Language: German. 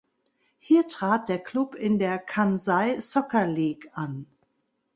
Hier trat der Klub in der Kansai Soccer League an.